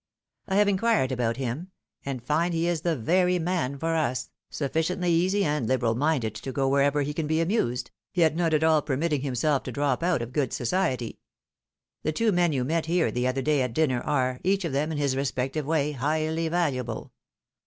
I have inquired about him, and find he is the very man for us — sufficiently easy and Hberal minded to go wherever he can be amused, yet not at aU permitting himself to drop out of good society. The two men you met here the other day at dinner, are, each of them in his respective way, highly valuable.